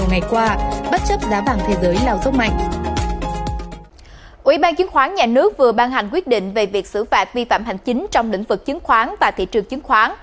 ủy ban chứng khoán nhà nước vừa ban hành quyết định về việc xử phạt vi phạm hành chính trong lĩnh vực chứng khoán và thị trường chứng khoán